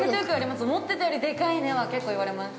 ◆思ってたよりでかいね、は結構言われます。